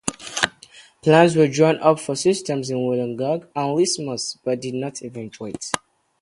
Plans were drawn up for systems in Wollongong and Lismore but did not eventuate.